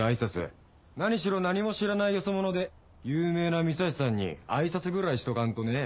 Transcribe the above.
何しろ何も知らないよそ者で有名な三橋さんに挨拶ぐらいしとかんとね。